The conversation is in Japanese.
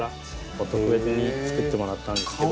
特別に作ってもらったんですけど。